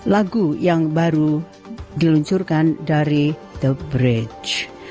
lagu yang baru diluncurkan dari the bridge